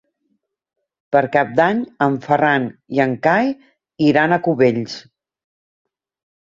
Per Cap d'Any en Ferran i en Cai iran a Cubells.